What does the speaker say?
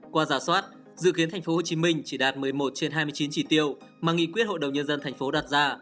qua giả soát dự kiến tp hcm chỉ đạt một mươi một trên hai mươi chín chỉ tiêu mà nghị quyết hội đồng nhân dân thành phố đặt ra